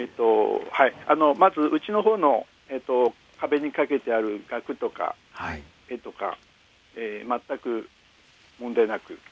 まずうちのほうの壁にかけてある額とか、絵とか、全く問題なく。